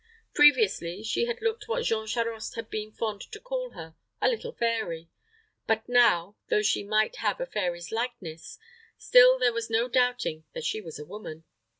Previously, she had looked what Jean Charost had been fond to call her a little fairy; but now, though she might have a fairy's likeness, still there was no doubting that she was a woman.